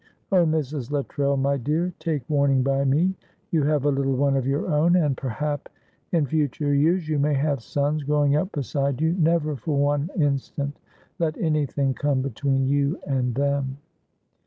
Oh, Mrs. Luttrell, my dear, take warning by me; you have a little one of your own, and perhap in future years you may have sons growing up beside you, never for one instant let anything come between you and them."